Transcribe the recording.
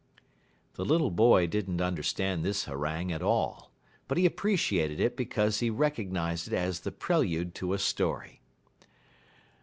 The little boy did n't understand this harangue at all, but he appreciated it because he recognized it as the prelude to a story.